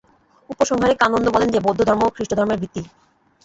উপসংহারে কানন্দ বলেন যে, বৌদ্ধধর্ম খ্রীষ্টধর্মের ভিত্তি।